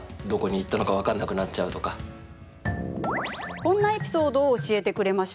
こんなエピソードを教えてくれました。